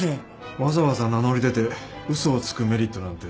わざわざ名乗り出て嘘をつくメリットなんて。